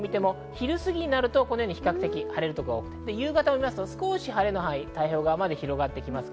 昼過ぎになると比較的晴れる所が多くて夕方を見ると、少し晴れの範囲は太平洋側まで広がってきます。